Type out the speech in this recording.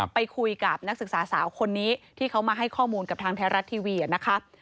ไปคุยกับนักศึกษาสาวคนนี้ที่เขามาให้ข้อมูลกับทางไทยรัฐทีวีนะคะ